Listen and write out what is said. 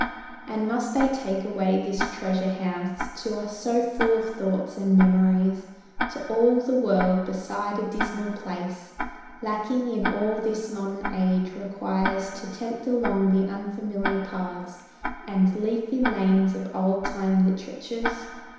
And must they take away this treasure house, To us so full of thoughts and memories; To all the world beside a dismal place Lacking in all this modern age requires To tempt along the unfamiliar paths And leafy lanes of old time literatures?